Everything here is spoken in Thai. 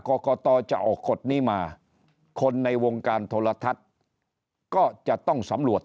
กรกตจะออกกฎนี้มาคนในวงการโทรทัศน์ก็จะต้องสำรวจ